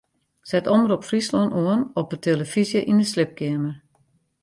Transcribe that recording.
Set Omrop Fryslân oan op de tillefyzje yn 'e sliepkeamer.